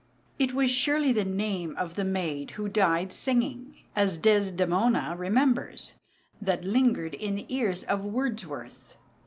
It was surely the name of the maid who died singing, as Desdemona remembers, that lingered in the ear of Wordsworth.